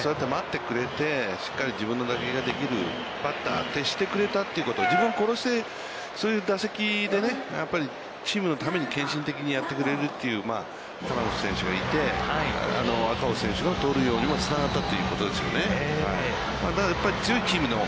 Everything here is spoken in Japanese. そうやって待ってくれて、しっかり自分の打撃ができるバッターって、してくれたということ、自分殺して、そういう打席でね、やっぱりチームのために献身的にやってくれるという金本選手がいて、赤星選手の盗塁王にもつながったということですね。